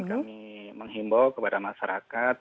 kami menghimbau kepada masyarakat